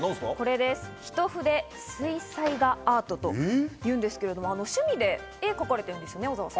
一筆水彩画アートというんですが趣味で絵を描かれてるんですね、小澤さん。